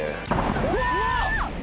・うわ！